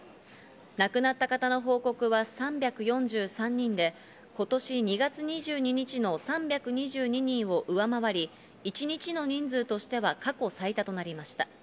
亡くなった方の報告は３４３人で、今年２月２２日の３２２人を上回り、一日の人数としては過去最多となりました。